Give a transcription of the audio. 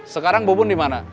sekarang bubun dimana